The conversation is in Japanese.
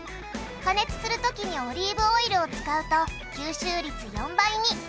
加熱する時にオリーブオイルを使うと吸収率４倍に。